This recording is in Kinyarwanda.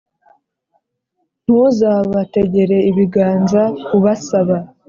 ntuzabategere ibiganza ubasaba.